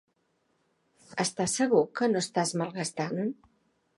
Estàs segur que no estàs malgastant?